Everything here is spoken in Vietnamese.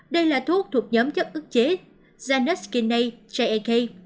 đây là thuốc thuộc nhóm chất ức chế zanuskinase jak